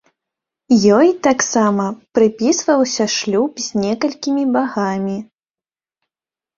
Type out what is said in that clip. Ёй таксама прыпісваўся шлюб з некалькімі багамі.